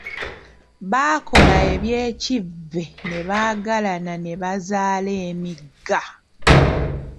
Baakola eby’ekivve ne baagalana ne bazaala emigga.